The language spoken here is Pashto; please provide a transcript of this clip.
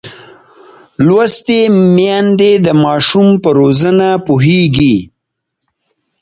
لوستې میندې د ماشوم پر روزنه پوهېږي.